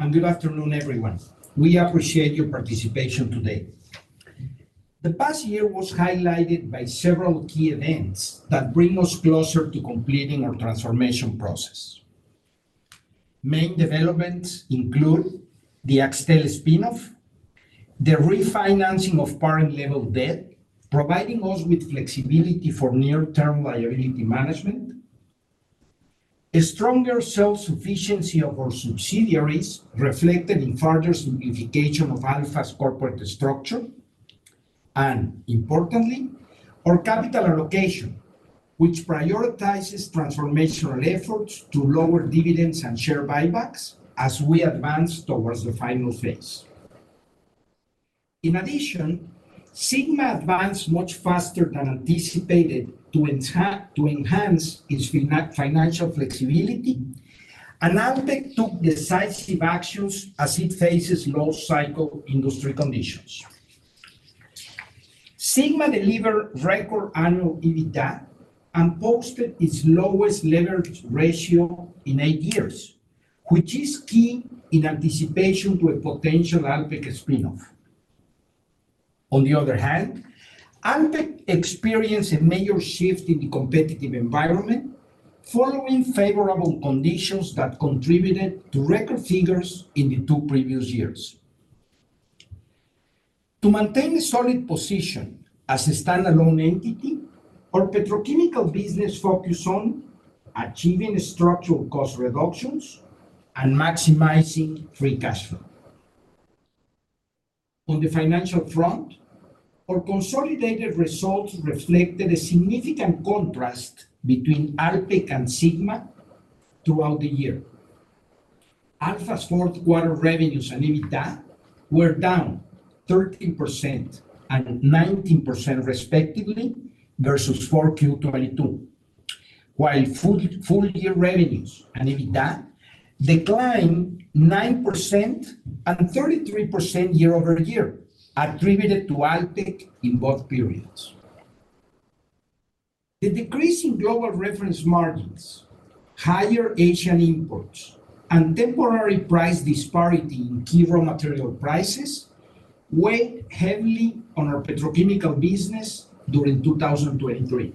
Good afternoon, everyone. We appreciate your participation today. The past year was highlighted by several key events that bring us closer to completing our transformation process. Main developments include the Alpek spinoff, the refinancing of parent-level debt, providing us with flexibility for near-term liability management, a stronger self-sufficiency of our subsidiaries reflected in further simplification of Alfa's corporate structure, and, importantly, our capital allocation, which prioritizes transformational efforts to lower dividends and share buybacks as we advance towards the final phase. In addition, Sigma advanced much faster than anticipated to enhance its financial flexibility, and Alpek took decisive actions as it faces low-cycle industry conditions. Sigma delivered record annual EBITDA and posted its lowest leverage ratio in eight years, which is key in anticipation to a potential Alpek spinoff. On the other hand, Alpek experienced a major shift in the competitive environment following favorable conditions that contributed to record figures in the two previous years. To maintain a solid position as a standalone entity, our petrochemical business focused on achieving structural cost reductions and maximizing free cash flow. On the financial front, our consolidated results reflected a significant contrast between Alpek and Sigma throughout the year. Alfa's fourth-quarter revenues and EBITDA were down 13% and 19%, respectively, versus 4Q22, while full-year revenues and EBITDA declined 9% and 33% year-over-year, attributed to Alpek in both periods. The decrease in global reference margins, higher Asian imports, and temporary price disparity in key raw material prices weighed heavily on our petrochemical business during 2023.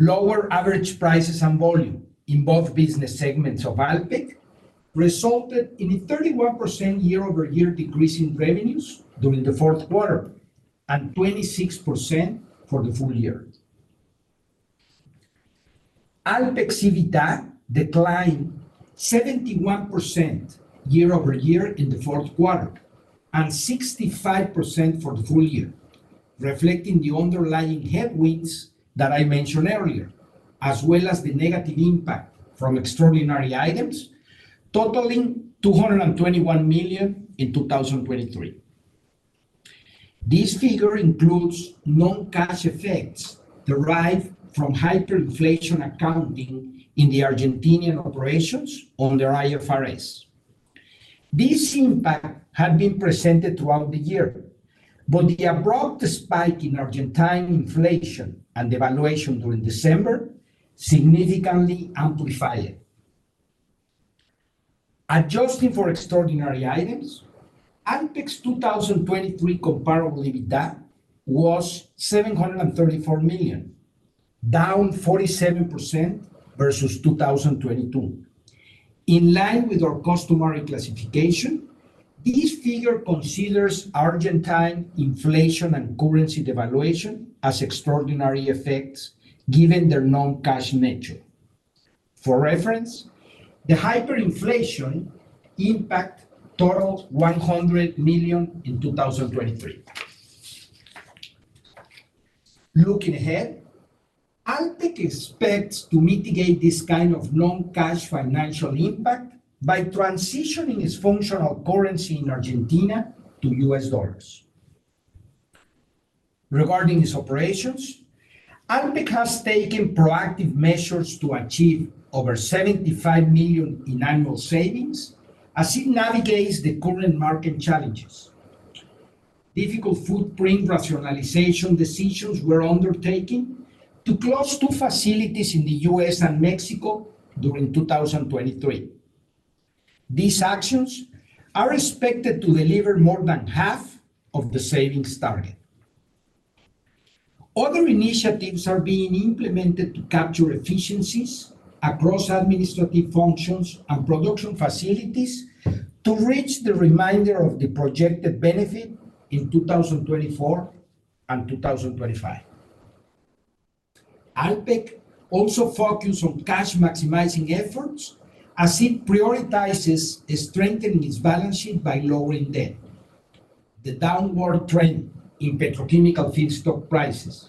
Lower average prices and volume in both business segments of Alpek resulted in a 31% year-over-year decrease in revenues during the fourth quarter and 26% for the full year. Alpek's EBITDA declined 71% year-over-year in the fourth quarter and 65% for the full year, reflecting the underlying headwinds that I mentioned earlier, as well as the negative impact from extraordinary items, totaling $221 million in 2023. This figure includes non-cash effects derived from hyperinflation accounting in the Argentine operations under IFRS. This impact had been presented throughout the year, but the abrupt spike in Argentine inflation and devaluation during December significantly amplified it. Adjusting for extraordinary items, Alpek's 2023 comparable EBITDA was $734 million, down 47% versus 2022. In line with our customary classification, this figure considers Argentine inflation and currency devaluation as extraordinary effects given their non-cash nature. For reference, the hyperinflation impact totaled $100 million in 2023. Looking ahead, Alpek expects to mitigate this kind of non-cash financial impact by transitioning its functional currency in Argentina to U.S. dollars. Regarding its operations, Alpek has taken proactive measures to achieve over $75 million in annual savings as it navigates the current market challenges. Difficult footprint rationalization decisions were undertaken to close two facilities in the U.S. and Mexico during 2023. These actions are expected to deliver more than half of the savings target. Other initiatives are being implemented to capture efficiencies across administrative functions and production facilities to reach the remainder of the projected benefit in 2024 and 2025. Alpek also focused on cash-maximizing efforts as it prioritizes strengthening its balance sheet by lowering debt, the downward trend in petrochemical feedstock prices.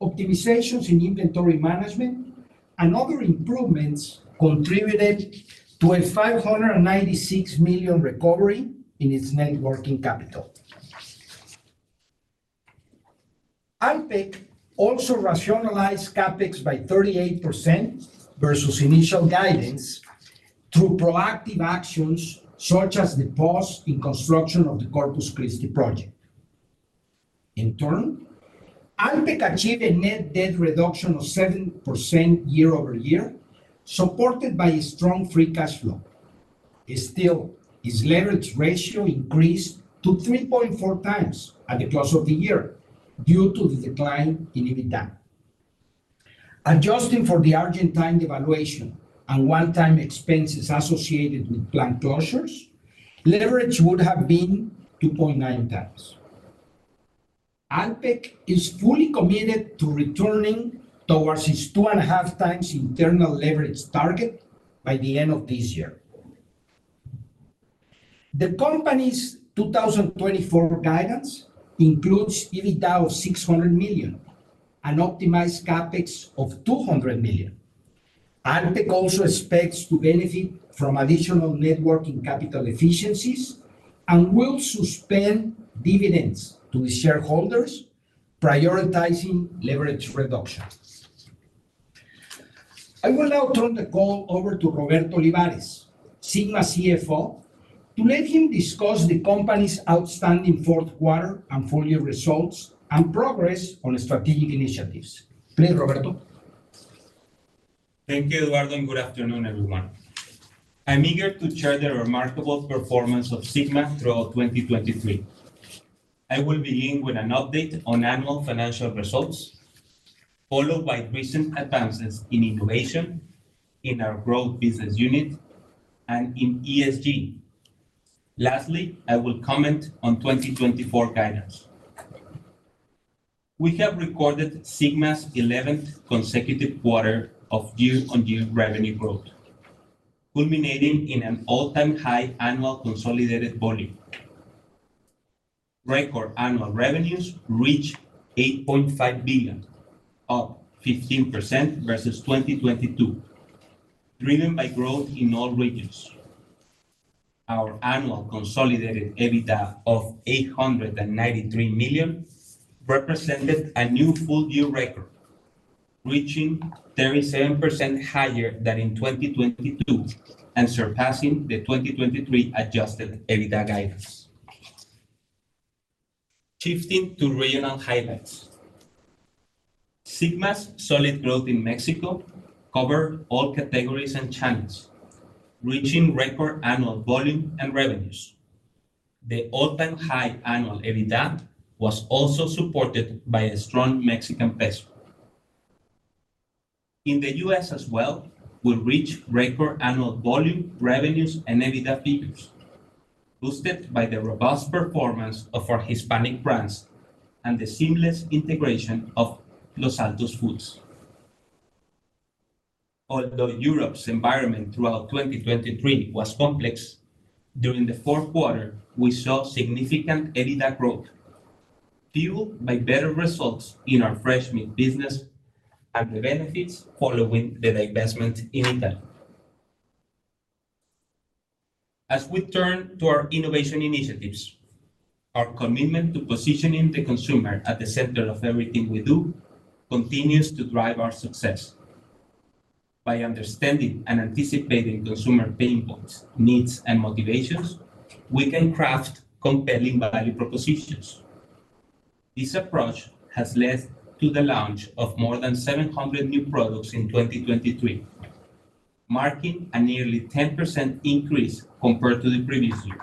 Optimizations in inventory management and other improvements contributed to a $596 million recovery in its net working capital. Alpek also rationalized CapEx by 38% versus initial guidance through proactive actions such as the pause in construction of the Corpus Christi project. In turn, Alpek achieved a net debt reduction of 7% year-over-year, supported by a strong free cash flow. Still, its leverage ratio increased to 3.4x at the close of the year due to the decline in EBITDA. Adjusting for the Argentine devaluation and one-time expenses associated with plant closures, leverage would have been 2.9x. Alpek is fully committed to returning towards its 2.5x internal leverage target by the end of this year. The company's 2024 guidance includes EBITDA of $600 million and optimized CapEx of $200 million. Alestra also expects to benefit from additional net working capital efficiencies and will suspend dividends to its shareholders, prioritizing leverage reduction. I will now turn the call over to Roberto Olivares, Sigma CFO, to let him discuss the company's outstanding fourth quarter and full-year results and progress on strategic initiatives. Please, Roberto. Thank you, Eduardo, and good afternoon, everyone. I'm eager to share the remarkable performance of Sigma throughout 2023. I will begin with an update on annual financial results, followed by recent advances in innovation in our growth business unit and in ESG. Lastly, I will comment on 2024 guidance. We have recorded Sigma's 11th consecutive quarter of year-on-year revenue growth, culminating in an all-time high annual consolidated volume. Record annual revenues reached $8.5 billion, up 15% versus 2022, driven by growth in all regions. Our annual consolidated EBITDA of $893 million represented a new full-year record, reaching 37% higher than in 2022 and surpassing the 2023 adjusted EBITDA guidance. Shifting to regional highlights. Sigma's solid growth in Mexico covered all categories and channels, reaching record annual volume and revenues. The all-time high annual EBITDA was also supported by a strong Mexican peso. In the U.S. as well, we reached record annual volume, revenues, and EBITDA figures, boosted by the robust performance of our Hispanic brands and the seamless integration of Los Altos Foods. Although Europe's environment throughout 2023 was complex, during the fourth quarter, we saw significant EBITDA growth, fueled by better results in our fresh meat business and the benefits following the divestment in Italy. As we turn to our innovation initiatives, our commitment to positioning the consumer at the center of everything we do continues to drive our success. By understanding and anticipating consumer pain points, needs, and motivations, we can craft compelling value propositions. This approach has led to the launch of more than 700 new products in 2023, marking a nearly 10% increase compared to the previous year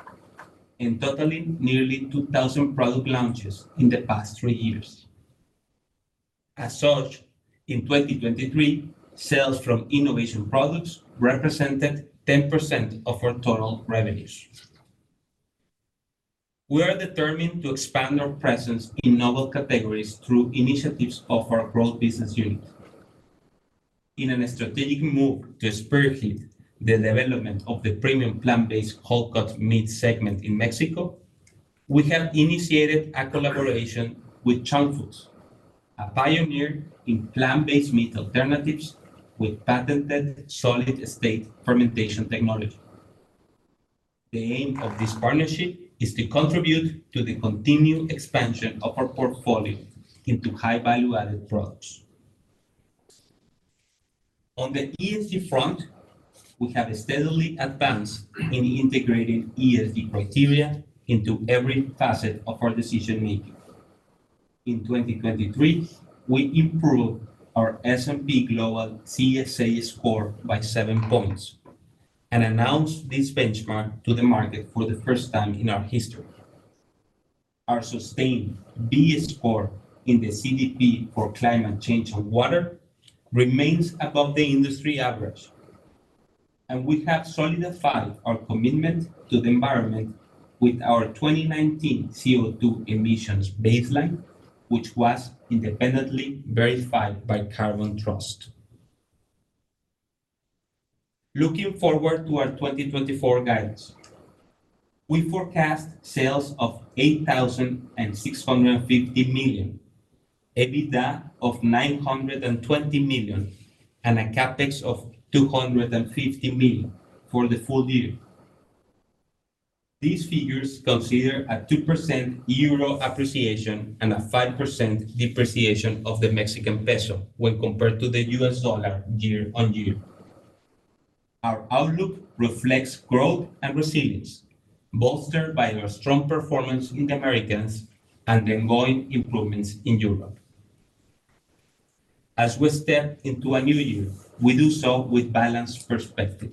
and totaling nearly 2,000 product launches in the past three years. As such, in 2023, sales from innovation products represented 10% of our total revenues. We are determined to expand our presence in novel categories through initiatives of our growth business unit. In a strategic move to spearhead the development of the premium plant-based whole-cut meat segment in Mexico, we have initiated a collaboration with Chunk Foods, a pioneer in plant-based meat alternatives with patented solid-state fermentation technology. The aim of this partnership is to contribute to the continued expansion of our portfolio into high-value-added products. On the ESG front, we have steadily advanced in integrating ESG criteria into every facet of our decision-making. In 2023, we improved our S&P Global CSA score by seven points and announced this benchmark to the market for the first time in our history. Our sustained B score in the CDP for climate change and water remains above the industry average, and we have solidified our commitment to the environment with our 2019 CO2 emissions baseline, which was independently verified by Carbon Trust. Looking forward to our 2024 guidance, we forecast sales of $8,650 million, EBITDA of $920 million, and a CapEx of $250 million for the full year. These figures consider a 2% euro appreciation and a 5% depreciation of the Mexican peso when compared to the US dollar year-on-year. Our outlook reflects growth and resilience, bolstered by our strong performance in the Americas and the ongoing improvements in Europe. As we step into a new year, we do so with balanced perspective,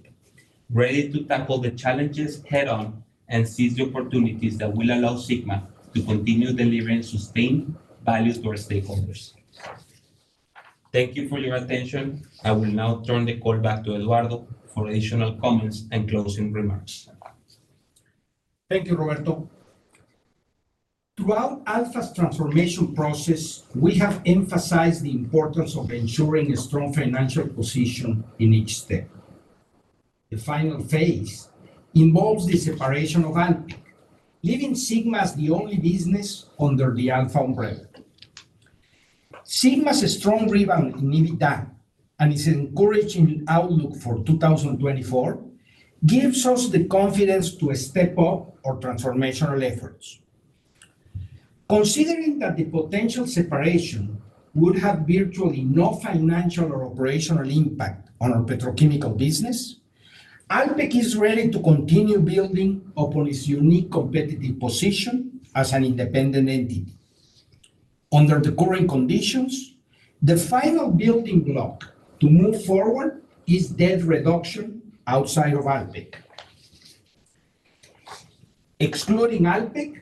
ready to tackle the challenges head-on and seize the opportunities that will allow Sigma to continue delivering sustained values to our stakeholders. Thank you for your attention. I will now turn the call back to Eduardo for additional comments and closing remarks. Thank you, Roberto. Throughout Alfa's transformation process, we have emphasized the importance of ensuring a strong financial position in each step. The final phase involves the separation of Alpek, leaving Sigma as the only business under the Alfa umbrella. Sigma's strong rebound in EBITDA and its encouraging outlook for 2024 gives us the confidence to step up our transformational efforts. Considering that the potential separation would have virtually no financial or operational impact on our petrochemical business, Alpek is ready to continue building upon its unique competitive position as an independent entity. Under the current conditions, the final building block to move forward is debt reduction outside of Alpek. Excluding Alpek,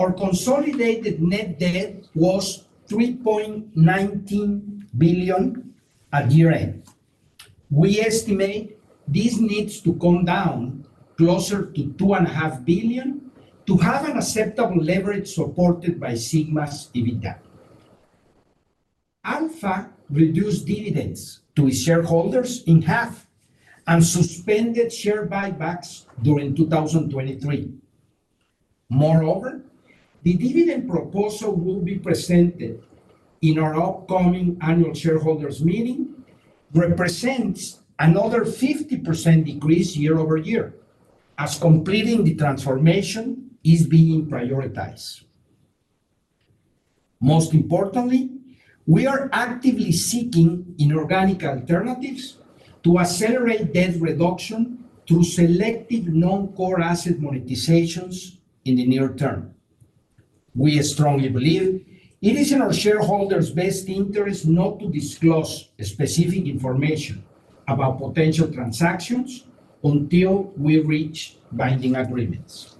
our consolidated net debt was $3.19 billion at year-end. We estimate this needs to come down closer to $2.5 billion to have an acceptable leverage supported by Sigma's EBITDA. Alfa reduced dividends to its shareholders in half and suspended share buybacks during 2023. Moreover, the dividend proposal will be presented in our upcoming annual shareholders' meeting. Represents another 50% decrease year-over-year as completing the transformation is being prioritized. Most importantly, we are actively seeking inorganic alternatives to accelerate debt reduction through selective non-core asset monetizations in the near term. We strongly believe it is in our shareholders' best interest not to disclose specific information about potential transactions until we reach binding agreements.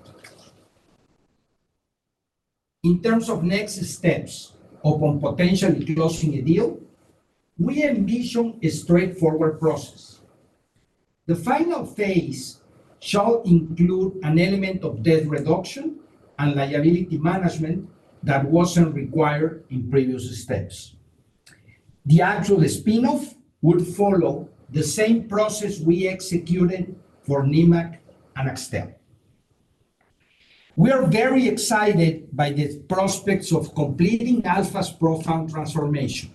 In terms of next steps upon potentially closing a deal, we envision a straightforward process. The final phase shall include an element of debt reduction and liability management that wasn't required in previous steps. The actual spinoff would follow the same process we executed for Nemak and Alpek. We are very excited by the prospects of completing Alfa's profound transformation.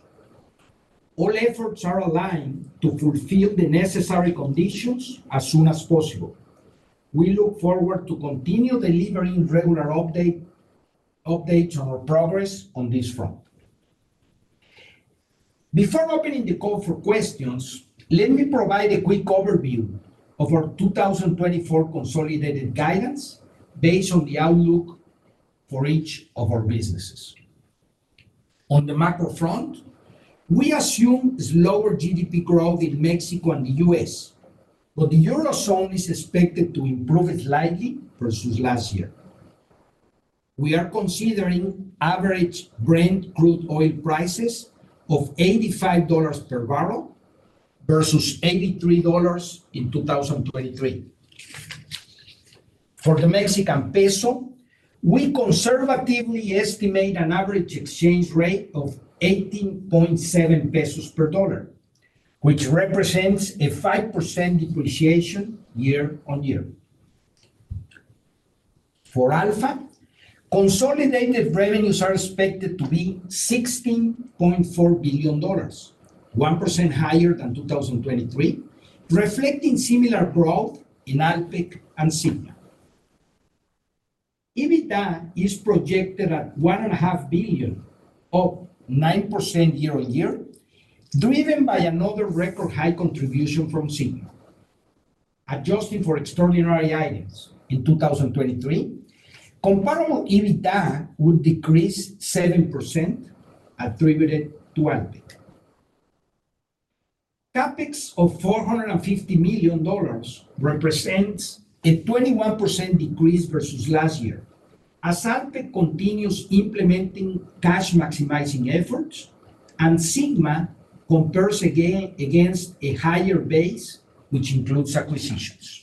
All efforts are aligned to fulfill the necessary conditions as soon as possible. We look forward to continuing delivering regular updates on our progress on this front. Before opening the call for questions, let me provide a quick overview of our 2024 consolidated guidance based on the outlook for each of our businesses. On the macro front, we assume slower GDP growth in Mexico and the U.S., but the Eurozone is expected to improve slightly versus last year. We are considering average Brent crude oil prices of $85 per barrel versus $83 in 2023. For the Mexican peso, we conservatively estimate an average exchange rate of $18.7 per dollar, which represents a 5% depreciation year on year. For Alfa, consolidated revenues are expected to be $16.4 billion, 1% higher than 2023, reflecting similar growth in Alpek and Sigma. EBITDA is projected at $1.5 billion, up 9% year-on-year, driven by another record high contribution from Sigma. Adjusting for extraordinary items in 2023, comparable EBITDA would decrease 7% attributed to Alpek. CapEx of $450 million represents a 21% decrease versus last year as Alpek continues implementing cash-maximizing efforts and Sigma compares against a higher base, which includes acquisitions.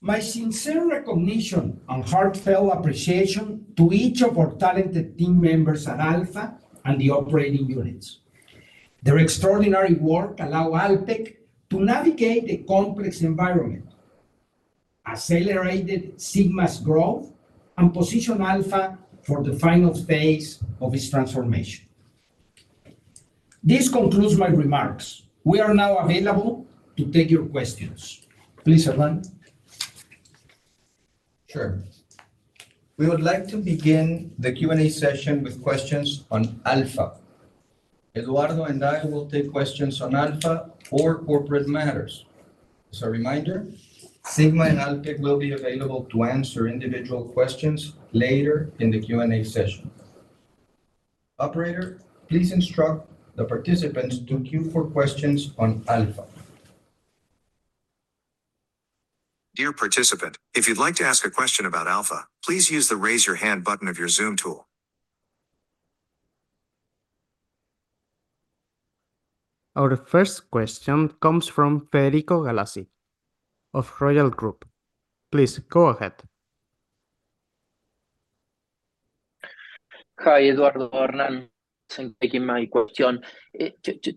My sincere recognition and heartfelt appreciation to each of our talented team members at Alfa and the operating units. Their extraordinary work allowed Alpek to navigate the complex environment, accelerated Sigma's growth, and positioned Alfa for the final phase of its transformation. This concludes my remarks. We are now available to take your questions. Please, Hernán. Sure. We would like to begin the Q&A session with questions on Alfa. Eduardo and I will take questions on Alfa or corporate matters. As a reminder, Sigma and Alpek will be available to answer individual questions later in the Q&A session. Operator, please instruct the participants to queue for questions on Alfa. Dear participant, if you'd like to ask a question about Alfa, please use the Raise Your Hand button of your Zoom tool. Our first question comes from Federico Galassi of Rohatyn Group. Please go ahead. Hi, Eduardo Hernán. I'm taking my question.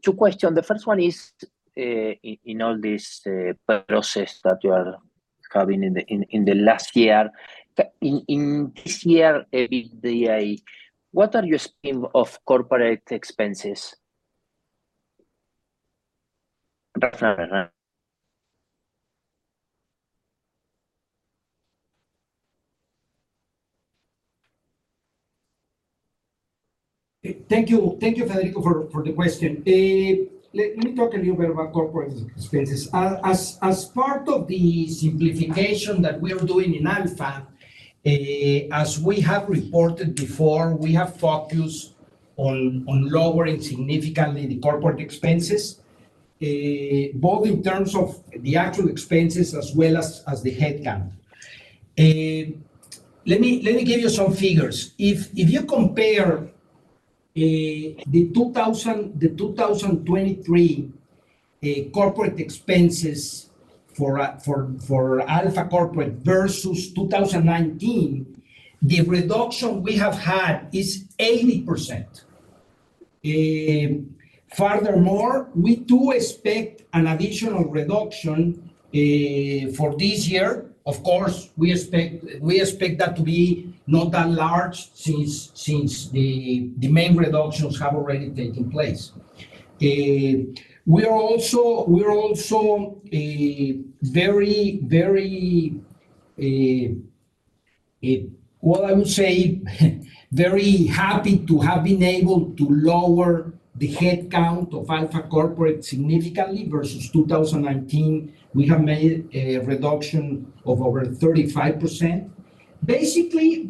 Two questions. The first one is, in all this process that you are having in the last year, in this year EBITDA, what are your spend of corporate expenses? Thank you, Federico, for the question. Let me talk a little bit about corporate expenses. As part of the simplification that we are doing in Alfa, as we have reported before, we have focused on lowering significantly the corporate expenses, both in terms of the actual expenses as well as the headcount. Let me give you some figures. If you compare the 2023 corporate expenses for Alfa Corporate versus 2019, the reduction we have had is 80%. Furthermore, we do expect an additional reduction for this year. Of course, we expect that to be not that large since the main reductions have already taken place. We are also very, very well, I would say very happy to have been able to lower the headcount of Alfa Corporate significantly versus 2019. We have made a reduction of over 35%. Basically,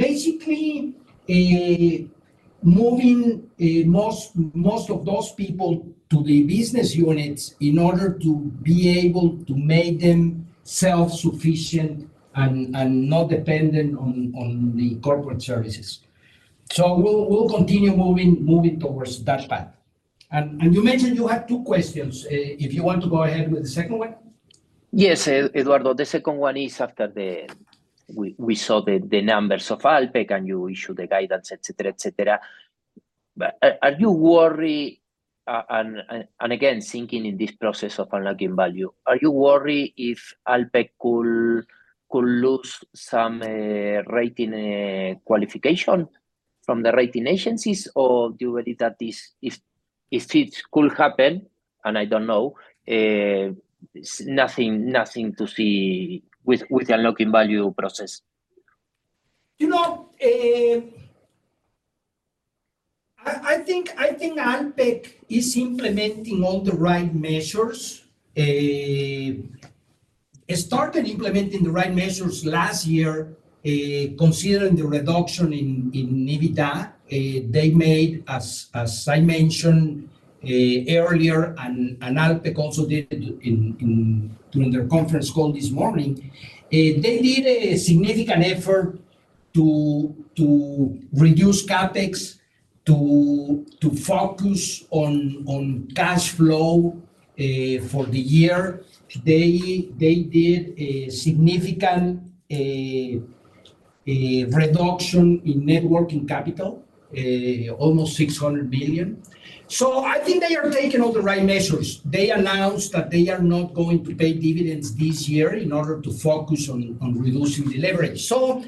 moving most of those people to the business units in order to be able to make them self-sufficient and not dependent on the corporate services. So we'll continue moving towards that path. And you mentioned you had two questions. If you want to go ahead with the second one. Yes, Eduardo. The second one is after we saw the numbers of Alpek and you issued the guidance, et cetera, et cetera. Are you worried and again, thinking in this process of unlocking value, are you worried if Alpek could lose some rating qualification from the rating agencies or do you believe that if it could happen, and I don't know, nothing to see with the unlocking value process? I think Alpek is implementing all the right measures. Started implementing the right measures last year considering the reduction in EBITDA. They made, as I mentioned earlier, and Alpek also did during their conference call this morning, they did a significant effort to reduce CapEx, to focus on cash flow for the year. They did a significant reduction in net working capital, almost $600 million. So I think they are taking all the right measures. They announced that they are not going to pay dividends this year in order to focus on reducing the leverage. So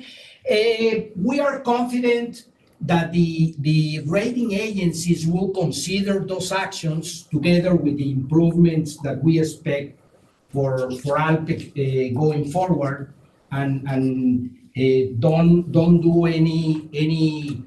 we are confident that the rating agencies will consider those actions together with the improvements that we expect for Alpek going forward and don't do any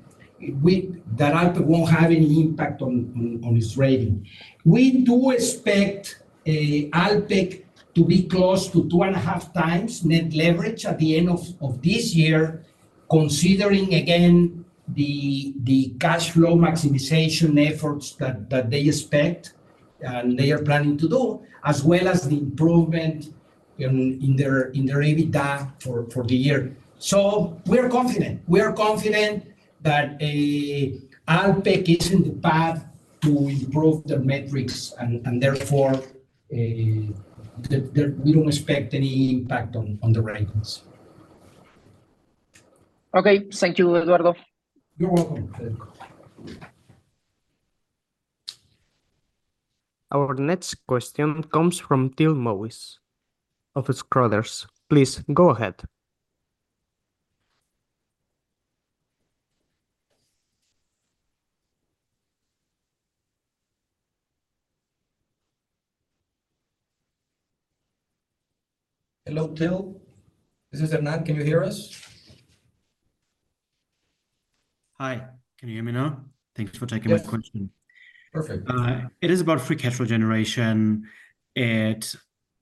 that Alpek won't have any impact on its rating. We do expect Alpek to be close to 2.5x net leverage at the end of this year, considering, again, the cash flow maximization efforts that they expect and they are planning to do, as well as the improvement in their EBITDA for the year. So we are confident. We are confident that Alpek is in the path to improve their metrics and, therefore, we don't expect any impact on the ratings. Okay. Thank you, Eduardo. You're welcome, Federico. Our next question comes from Till Moewes of Schroders. Please go ahead. Hello, Till. This is Hernán. Can you hear us? Hi. Can you hear me now? Thanks for taking my question. Yes. Perfect. It is about free cash flow generation at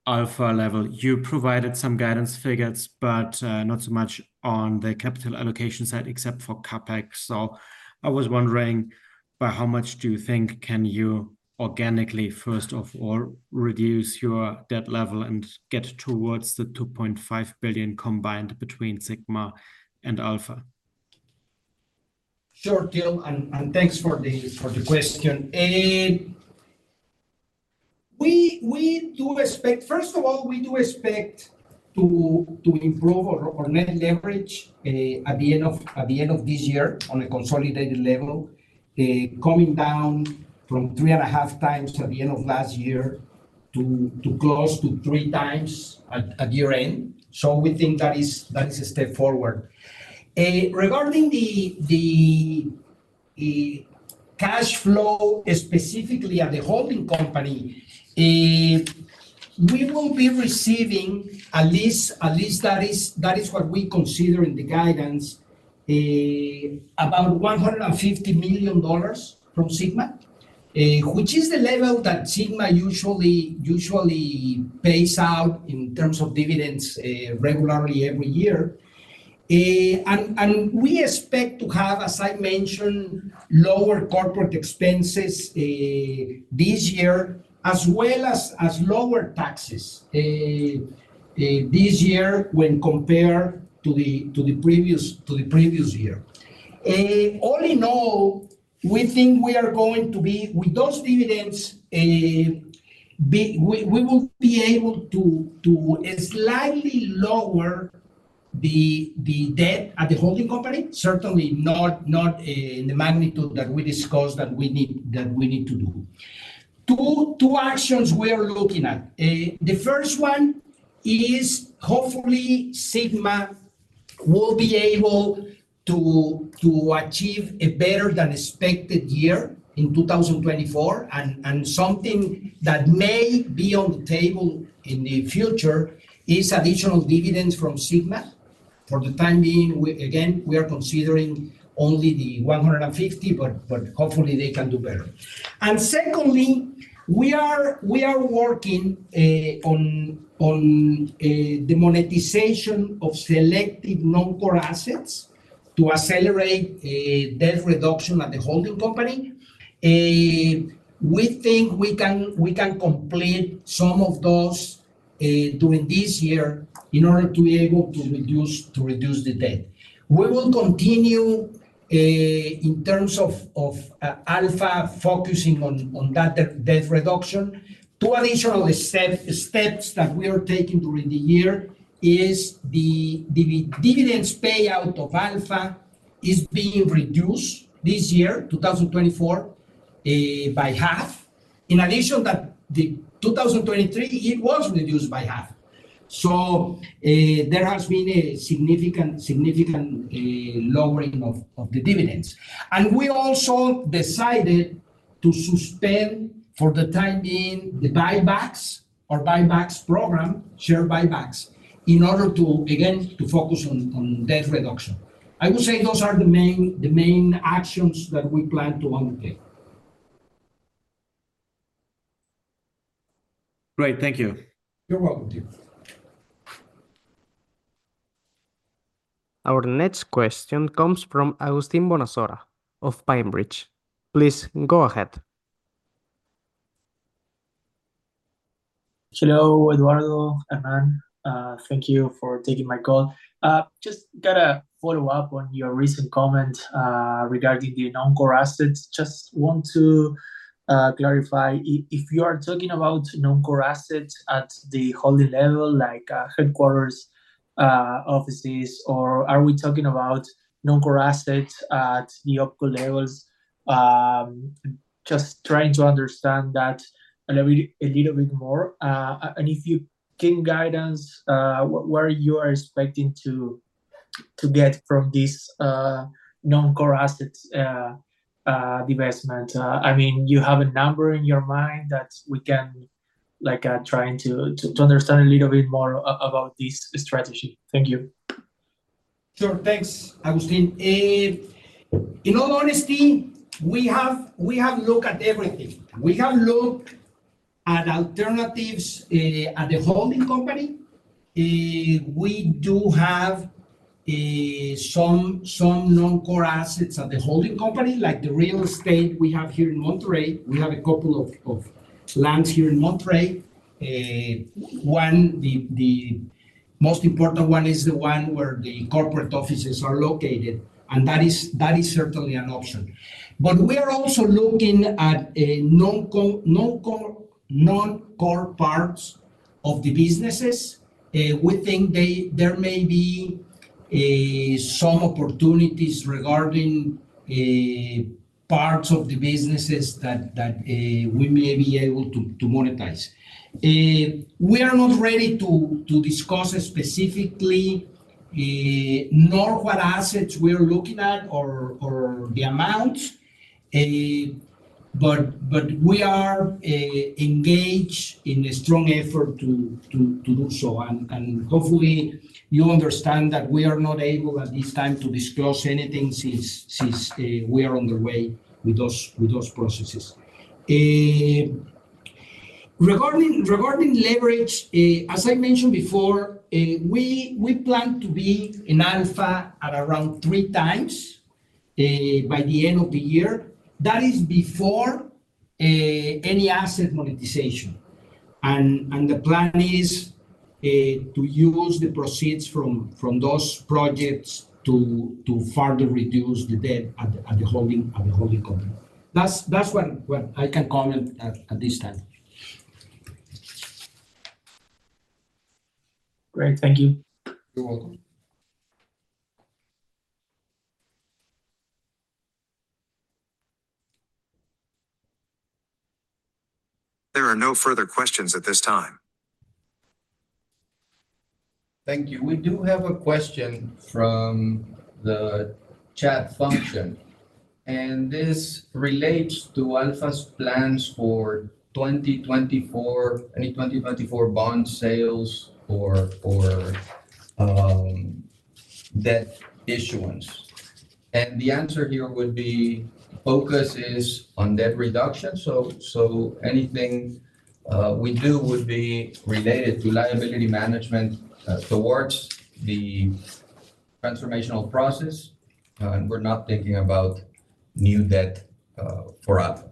Alfa level. You provided some guidance figures, but not so much on the capital allocation side except for CapEx. So I was wondering, by how much do you think can you organically, first of all, reduce your debt level and get towards the $2.5 billion combined between Sigma and Alfa? Sure, Till. Thanks for the question. First of all, we do expect to improve our net leverage at the end of this year on a consolidated level, coming down from 3.5x at the end of last year to close to 3x at year-end. We think that is a step forward. Regarding the cash flow, specifically at the holding company, we will be receiving, at least that is what we consider in the guidance, about $150 million from Sigma, which is the level that Sigma usually pays out in terms of dividends regularly every year. We expect to have, as I mentioned, lower corporate expenses this year as well as lower taxes this year when compared to the previous year. All in all, we think we are going to be with those dividends. We will be able to slightly lower the debt at the holding company, certainly not in the magnitude that we discussed that we need to do. Two actions we are looking at. The first one is, hopefully, Sigma will be able to achieve a better than expected year in 2024. And something that may be on the table in the future is additional dividends from Sigma. For the time being, again, we are considering only the $150, but hopefully, they can do better. And secondly, we are working on the monetization of selective non-core assets to accelerate debt reduction at the holding company. We think we can complete some of those during this year in order to be able to reduce the debt. We will continue, in terms of Alfa, focusing on that debt reduction. Two additional steps that we are taking during the year is the dividends payout of Alfa is being reduced this year, 2024, by half. In addition to that, in 2023, it was reduced by half. So there has been a significant lowering of the dividends. And we also decided to suspend, for the time being, the buybacks or buyback program, share buybacks, in order to, again, focus on debt reduction. I would say those are the main actions that we plan to undertake. Great. Thank you. You're welcome, Till. Our next question comes from Agustín Bonasora of PineBridge. Please go ahead. Hello, Eduardo Hernán. Thank you for taking my call. Just got to follow up on your recent comment regarding the non-core assets. Just want to clarify, if you are talking about non-core assets at the holding level, like headquarters, offices, or are we talking about non-core assets at the OPCO levels? Just trying to understand that a little bit more. And if you can guide us, what are you expecting to get from this non-core assets investment? I mean, you have a number in your mind that we can try to understand a little bit more about this strategy. Thank you. Sure. Thanks, Agustín. In all honesty, we have looked at everything. We have looked at alternatives at the holding company. We do have some non-core assets at the holding company, like the real estate we have here in Monterrey. We have a couple of lands here in Monterrey. The most important one is the one where the corporate offices are located. That is certainly an option. We are also looking at non-core parts of the businesses. We think there may be some opportunities regarding parts of the businesses that we may be able to monetize. We are not ready to discuss specifically, nor what assets we are looking at or the amounts. We are engaged in a strong effort to do so. Hopefully, you understand that we are not able, at this time, to disclose anything since we are on the way with those processes. Regarding leverage, as I mentioned before, we plan to be in Alfa at around 3x by the end of the year. That is before any asset monetization. The plan is to use the proceeds from those projects to further reduce the debt at the holding company. That's what I can comment at this time. Great. Thank you. You're welcome. There are no further questions at this time. Thank you. We do have a question from the chat function. This relates to Alfa's plans for any 2024 bond sales or debt issuance. The answer here would be focus is on debt reduction. So anything we do would be related to liability management towards the transformational process. We're not thinking about new debt for Alfa.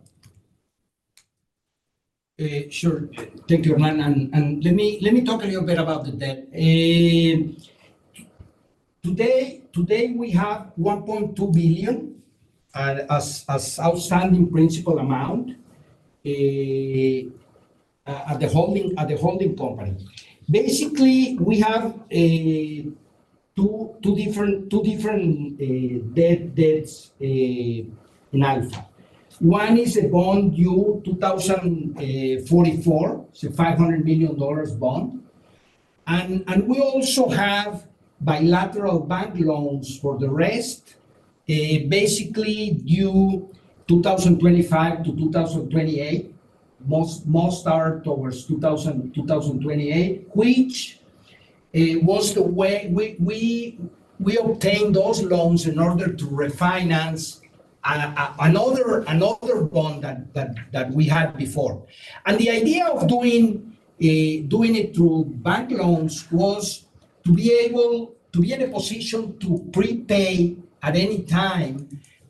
Sure. Thank you, Hernán. Let me talk a little bit about the debt. Today, we have $1.2 billion as outstanding principal amount at the holding company. Basically, we have two different debts in Alfa. One is a bond due 2044. It's a $500 million bond. And we also have bilateral bank loans for the rest, basically due 2025-2028. Most are towards 2028, which was the way we obtained those loans in order to refinance another bond that we had before. And the idea of doing it through bank loans was to be able to be in a position to prepay at any time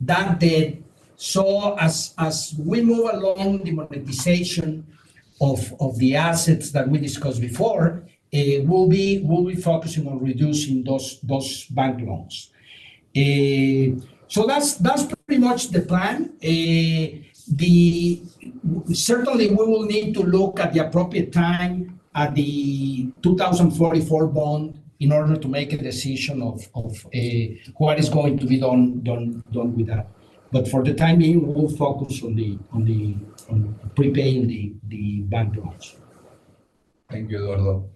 that debt. So as we move along, the monetization of the assets that we discussed before will be focusing on reducing those bank loans. So that's pretty much the plan. Certainly, we will need to look at the appropriate time at the 2044 bond in order to make a decision of what is going to be done with that. But for the time being, we'll focus on prepaying the bank loans. Thank you, Eduardo.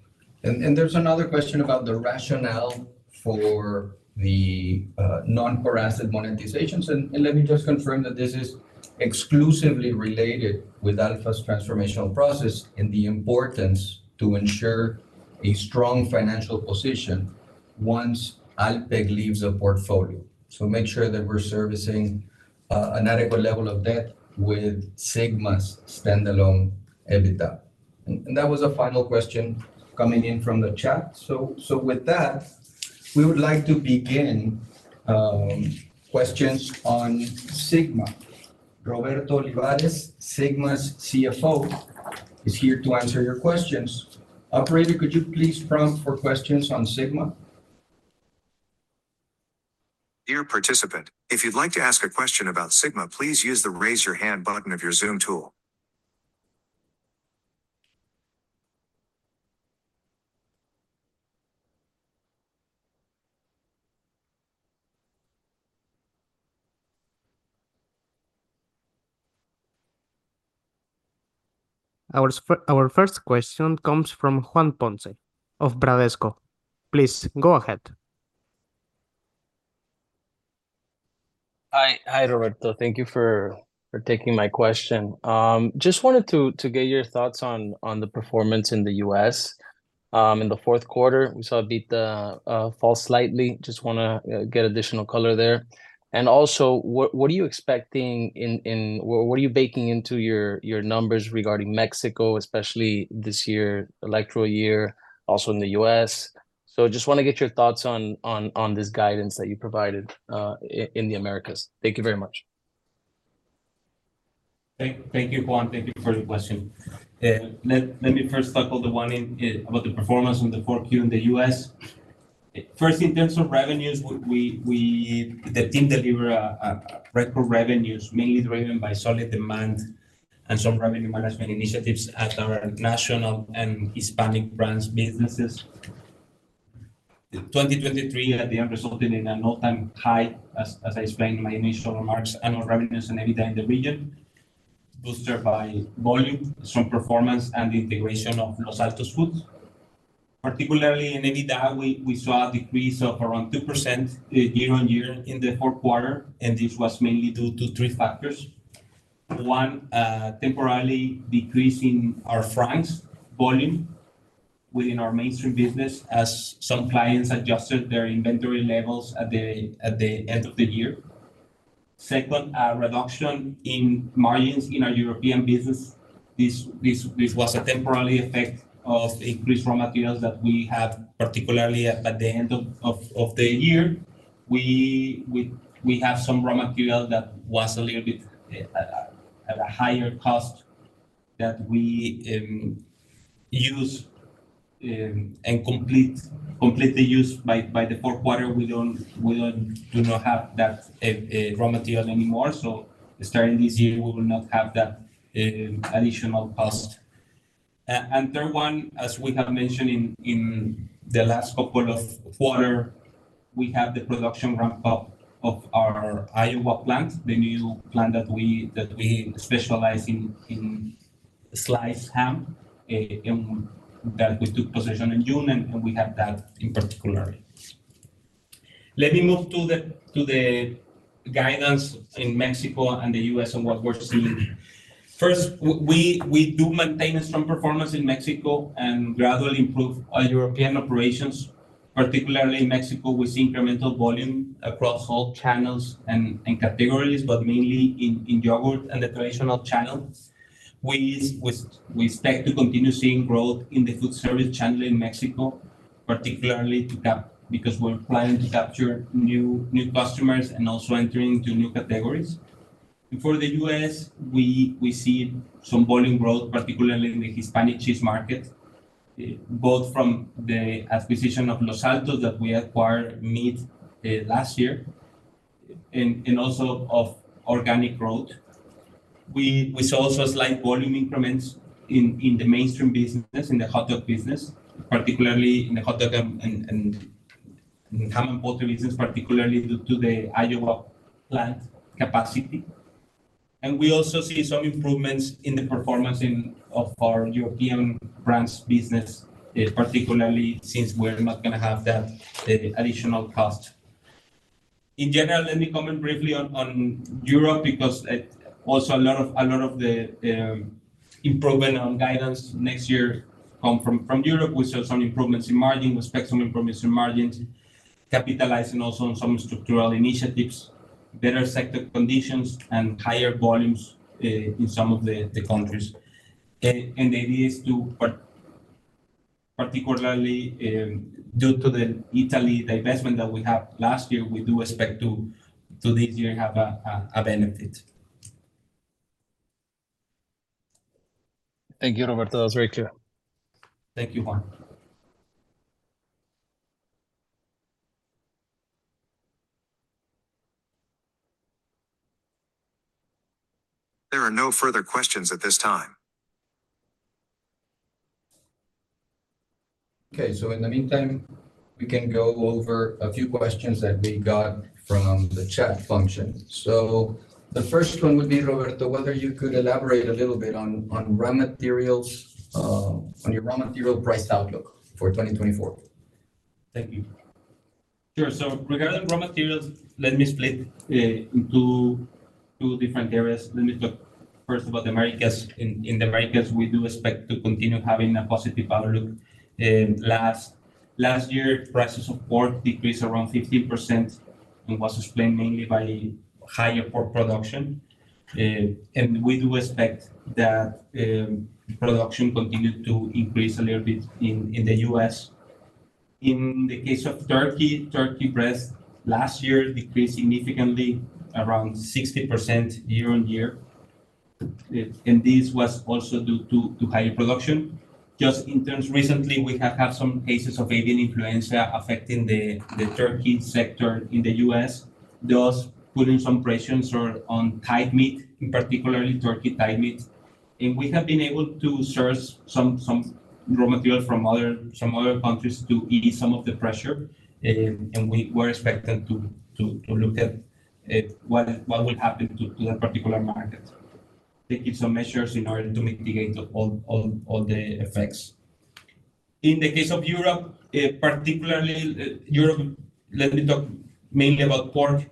There's another question about the rationale for the non-core asset monetizations. Let me just confirm that this is exclusively related with Alfa's transformational process and the importance to ensure a strong financial position once Alpek leaves the portfolio. Make sure that we're servicing an adequate level of debt with Sigma's standalone EBITDA. That was a final question coming in from the chat. With that, we would like to begin questions on Sigma. Roberto Olivares, Sigma's CFO, is here to answer your questions. Operator, could you please prompt for questions on Sigma? Dear participant, if you'd like to ask a question about Sigma, please use the Raise Your Hand button of your Zoom tool. Our first question comes from Juan Ponce of Bradesco. Please go ahead. Hi, Roberto. Thank you for taking my question. Just wanted to get your thoughts on the performance in the U.S. In the fourth quarter, we saw EBITDA fall slightly. Just want to get additional color there. And also, what are you expecting in what are you baking into your numbers regarding Mexico, especially this year, electoral year, also in the U.S.? Just want to get your thoughts on this guidance that you provided in the Americas. Thank you very much. Thank you, Juan. Thank you for the question. Let me first tackle the one about the performance on the 4Q in the U.S. First, in terms of revenues, the team delivered record revenues, mainly driven by solid demand and some revenue management initiatives at our national and Hispanic brands' businesses. 2023, at the end, resulted in an all-time high, as I explained in my initial remarks, annual revenues and EBITDA in the region, boosted by volume, strong performance, and the integration of Los Altos Foods. Particularly in EBITDA, we saw a decrease of around 2% year-on-year in the fourth quarter. This was mainly due to three factors. One, temporarily decrease in our franks volume within our mainstream business as some clients adjusted their inventory levels at the end of the year. Second, a reduction in margins in our European business. This was a temporary effect of increased raw materials that we have, particularly at the end of the year. We have some raw material that was a little bit at a higher cost that we use and completely use by the fourth quarter. We do not have that raw material anymore. So starting this year, we will not have that additional cost. And third one, as we have mentioned in the last couple of quarters, we have the production ramp-up of our Iowa plant, the new plant that we specialize in sliced ham, that we took possession in June. And we have that in particular. Let me move to the guidance in Mexico and the U.S. and what we're seeing. First, we do maintain a strong performance in Mexico and gradually improve our European operations. Particularly in Mexico, we see incremental volume across all channels and categories, but mainly in yogurt and the traditional channel. We expect to continue seeing growth in the food service channel in Mexico, particularly because we're planning to capture new customers and also entering into new categories. For the U.S., we see some volume growth, particularly in the Hispanic cheese market, both from the acquisition of Los Altos that we acquired last year and also of organic growth. We saw also slight volume increments in the mainstream business, in the hot dog business, particularly in the hot dog and ham and poultry business, particularly due to the Iowa plant capacity. We also see some improvements in the performance of our European brands' business, particularly since we're not going to have that additional cost. In general, let me comment briefly on Europe because also a lot of the improvement on guidance next year come from Europe. We saw some improvements in margin. We expect some improvements in margins, capitalizing also on some structural initiatives, better sector conditions, and higher volumes in some of the countries. And the idea is to, particularly due to the Italy divestment that we had last year, we do expect to, this year, have a benefit. Thank you, Roberto. That was very clear. Thank you, Juan. There are no further questions at this time. Okay. So in the meantime, we can go over a few questions that we got from the chat function. So the first one would be, Roberto, whether you could elaborate a little bit on your raw material price outlook for 2024. Thank you. Sure. So regarding raw materials, let me split into two different areas. Let me talk first about the Americas. In the Americas, we do expect to continue having a positive outlook. Last year, prices of pork decreased around 15% and was explained mainly by higher pork production. And we do expect that production continued to increase a little bit in the U.S. In the case of turkey, turkey breast last year decreased significantly, around 60% year-over-year. And this was also due to higher production. Just in terms recently, we have had some cases of avian influenza affecting the turkey sector in the U.S., thus putting some pressures on white meat, particularly turkey white meat. And we have been able to source some raw material from other countries to ease some of the pressure. And we're expecting to look at what will happen to that particular market. Taking some measures in order to mitigate all the effects. In the case of Europe, particularly Europe, let me talk mainly about pork.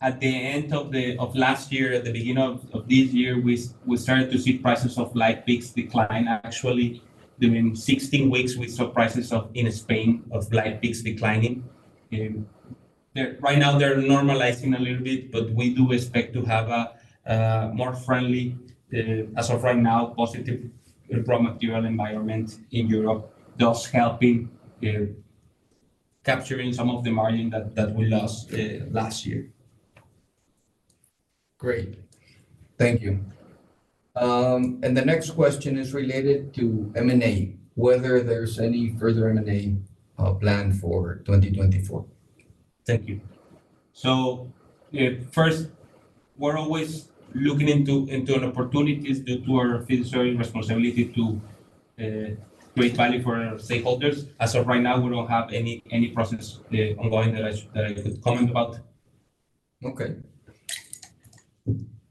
At the end of last year, at the beginning of this year, we started to see prices of light pigs decline, actually. During 16 weeks, we saw prices in Spain of light pigs declining. Right now, they're normalizing a little bit, but we do expect to have a more friendly, as of right now, positive raw material environment in Europe, thus helping capturing some of the margin that we lost last year. Great. Thank you. The next question is related to M&A, whether there's any further M&A planned for 2024. Thank you. So first, we're always looking into opportunities due to our fiduciary responsibility to create value for our stakeholders. As of right now, we don't have any process ongoing that I could comment about. Okay.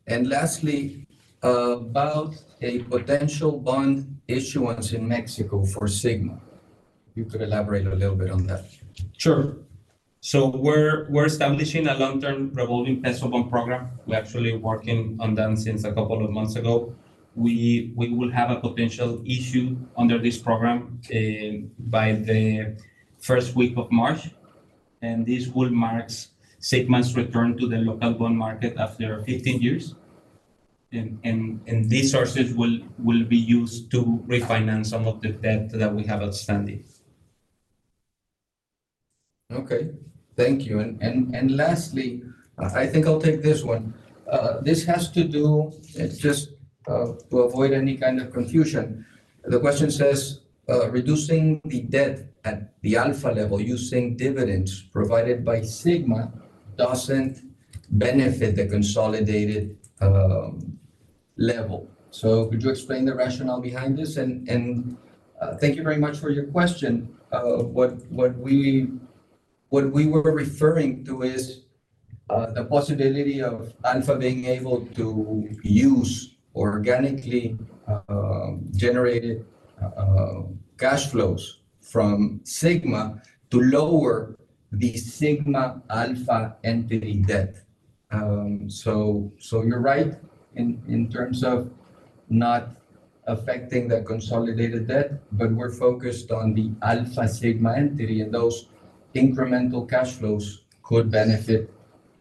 Lastly, about a potential bond issuance in Mexico for Sigma. If you could elaborate a little bit on that? Sure. So we're establishing a long-term revolving Peso bond program. We're actually working on that since a couple of months ago. We will have a potential issue under this program by the first week of March. And this will mark Sigma's return to the local bond market after 15 years. And these sources will be used to refinance some of the debt that we have outstanding. Okay. Thank you. And lastly, I think I'll take this one. This has to do just to avoid any kind of confusion. The question says, "Reducing the debt at the Alfa level using dividends provided by Sigma doesn't benefit the consolidated level." So could you explain the rationale behind this? And thank you very much for your question. What we were referring to is the possibility of Alfa being able to use organically generated cash flows from Sigma to lower the Sigma Alfa entity debt. So you're right in terms of not affecting the consolidated debt, but we're focused on the Alfa Sigma entity. And those incremental cash flows could benefit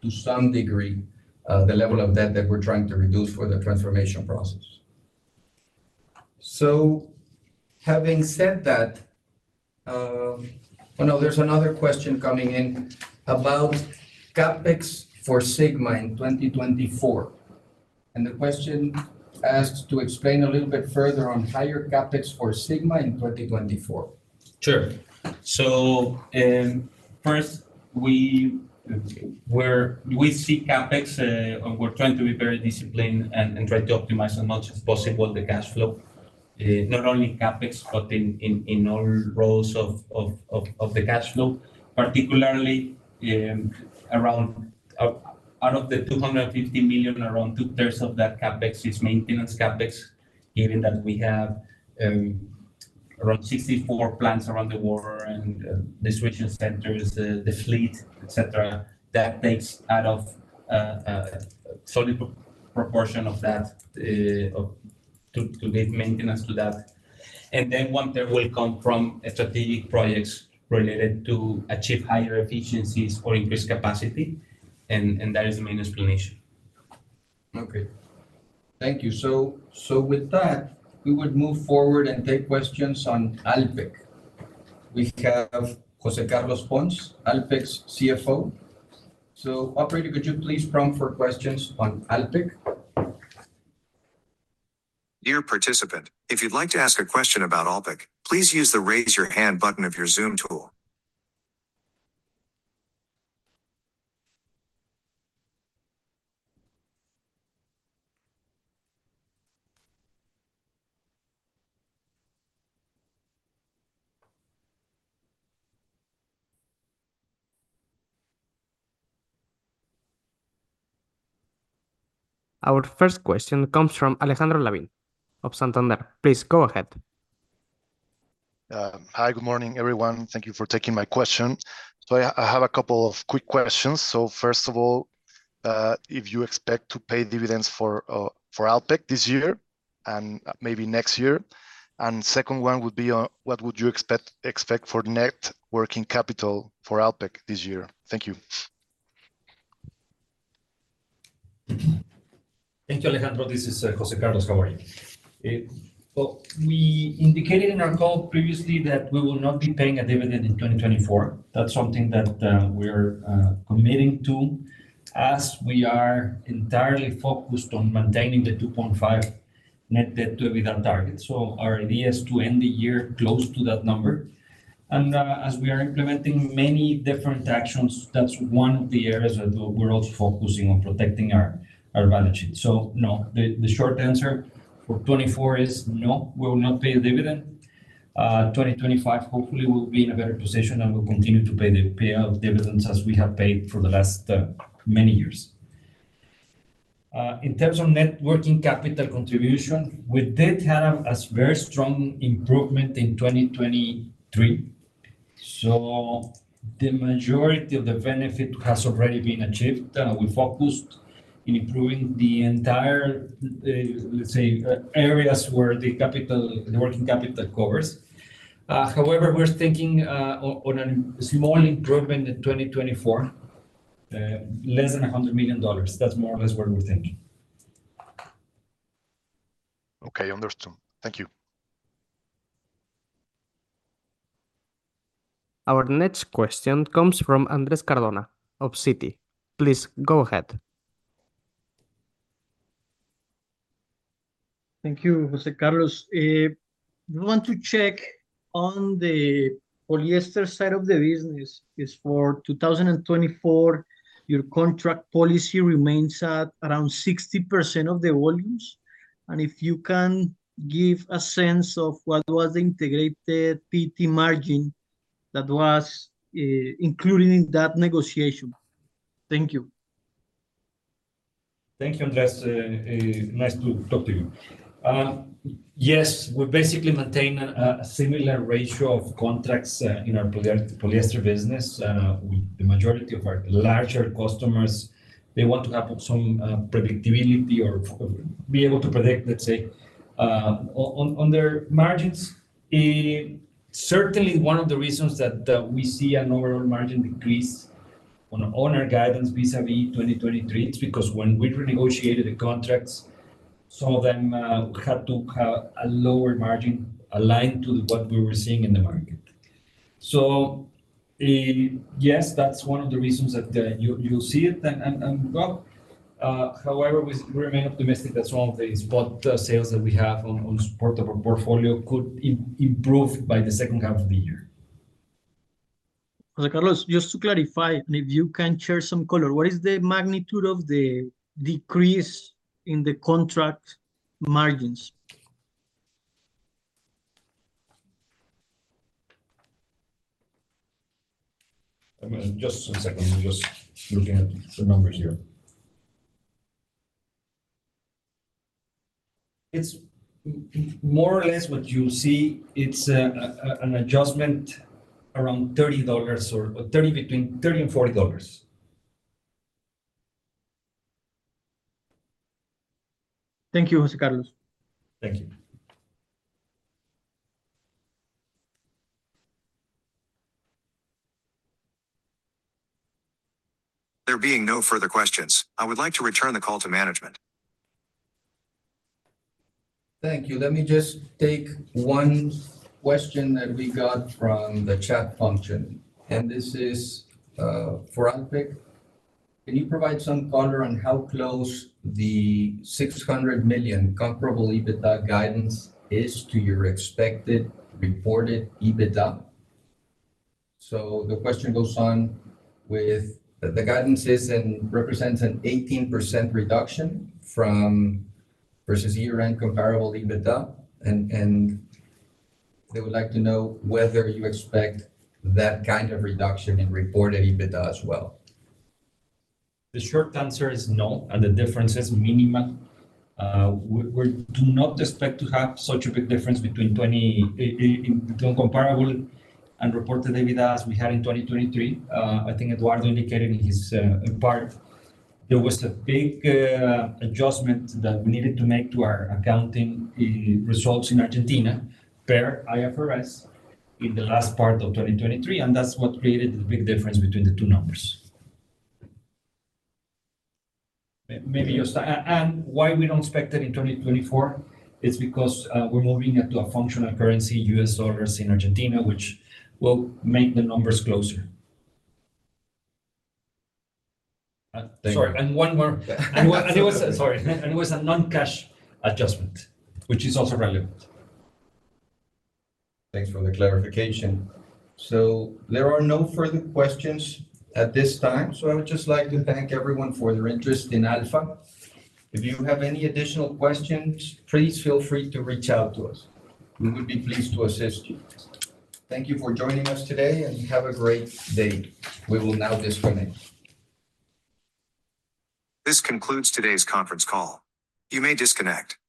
to some degree the level of debt that we're trying to reduce for the transformation process. So having said that, oh, no, there's another question coming in about CapEx for Sigma in 2024. The question asks to explain a little bit further on higher CapEx for Sigma in 2024. Sure. So first, we see CapEx, and we're trying to be very disciplined and try to optimize as much as possible the cash flow, not only CapEx, but in all roles of the cash flow, particularly around out of the $250 million, around 2/3 of that CapEx is maintenance CapEx, given that we have around 64 plants around the world and distribution centers, the fleet, etc. That takes out of a solid proportion of that to give maintenance to that. And then one third will come from strategic projects related to achieve higher efficiencies or increase capacity. And that is the main explanation. Okay. Thank you. So with that, we would move forward and take questions on Alpek. We have José Carlos Pons, Alpek's CFO. So operator, could you please prompt for questions on Alpek? Dear participant, if you'd like to ask a question about Alpek, please use the Raise Your Hand button of your Zoom tool. Our first question comes from Alejandro Lavín of Santander. Please go ahead. Hi. Good morning, everyone. Thank you for taking my question. So I have a couple of quick questions. So first of all, if you expect to pay dividends for Alpek this year and maybe next year? And second one would be, what would you expect for net working capital for Alpek this year? Thank you. Thank you, Alejandro. This is José Carlos. How are you? Well, we indicated in our call previously that we will not be paying a dividend in 2024. That's something that we're committing to as we are entirely focused on maintaining the 2.5 net debt to EBITDA target. So our idea is to end the year close to that number. And as we are implementing many different actions, that's one of the areas that we're also focusing on, protecting our value chain. So no, the short answer for 2024 is no, we will not pay a dividend. 2025, hopefully, will be in a better position, and we'll continue to pay the payout of dividends as we have paid for the last many years. In terms of net working capital contribution, we did have a very strong improvement in 2023. So the majority of the benefit has already been achieved. We focused on improving the entire, let's say, areas where the working capital covers. However, we're thinking on a small improvement in 2024, less than $100 million. That's more or less what we're thinking. Okay. Understood. Thank you. Our next question comes from Andrés Cardona of Citi. Please go ahead. Thank you, José Carlos. I want to check on the polyester side of the business. Is for 2024, your contract policy remains at around 60% of the volumes? And if you can give a sense of what was the integrated P/T margin that was included in that negotiation? Thank you. Thank you, Andrés. Nice to talk to you. Yes, we basically maintain a similar ratio of contracts in our polyester business. The majority of our larger customers, they want to have some predictability or be able to predict, let's say, on their margins. Certainly, one of the reasons that we see an overall margin decrease on our guidance vis-à-vis 2023, it's because when we renegotiated the contracts, some of them had to have a lower margin aligned to what we were seeing in the market. So yes, that's one of the reasons that you'll see it. And however, we remain optimistic that some of the spot sales that we have on support of our portfolio could improve by the second half of the year. José Carlos, just to clarify, and if you can share some color, what is the magnitude of the decrease in the contract margins? Just one second. I'm just looking at the numbers here. It's more or less what you see. It's an adjustment around $30 or between $30 and $40. Thank you, José Carlos. Thank you. There being no further questions, I would like to return the call to management. Thank you. Let me just take one question that we got from the chat function. This is for Alpek. Can you provide some color on how close the $600 million comparable EBITDA guidance is to your expected reported EBITDA? So the question goes on with the guidance is and represents an 18% reduction versus year-end comparable EBITDA. They would like to know whether you expect that kind of reduction in reported EBITDA as well. The short answer is no, and the difference is minimal. We do not expect to have such a big difference between comparable and reported EBITDA as we had in 2023. I think Eduardo indicated in his part, there was a big adjustment that we needed to make to our accounting results in Argentina per IFRS in the last part of 2023. That's what created the big difference between the two numbers. Why we don't expect it in 2024 is because we're moving to a functional currency, US dollars, in Argentina, which will make the numbers closer. Sorry. One more sorry. It was a non-cash adjustment, which is also relevant. Thanks for the clarification. There are no further questions at this time. I would just like to thank everyone for their interest in Alfa. If you have any additional questions, please feel free to reach out to us. We would be pleased to assist you. Thank you for joining us today, and have a great day. We will now disconnect. This concludes today's conference call. You may disconnect.